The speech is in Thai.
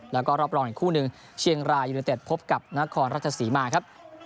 แล้วก็รอบรองอีกคู่หนึ่งเชียงรายยูนิเต็ดพบกับนครราชศรีมาครับ